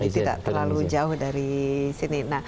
tidak terlalu jauh dari sini